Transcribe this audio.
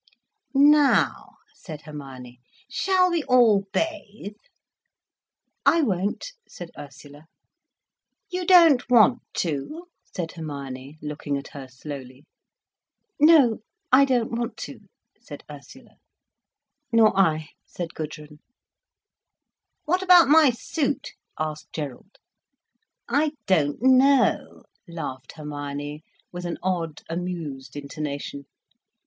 "Now," said Hermione, "shall we all bathe?" "I won't," said Ursula. "You don't want to?" said Hermione, looking at her slowly. "No. I don't want to," said Ursula. "Nor I," said Gudrun. "What about my suit?" asked Gerald. "I don't know," laughed Hermione, with an odd, amused intonation.